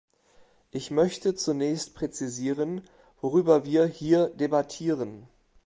Ich möchte zunächst präzisieren, worüber wir hier debattieren.